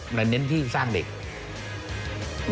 ก็คือคุณอันนบสิงต์โตทองนะครับ